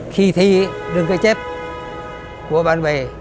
khi thi đừng có chép của bạn bè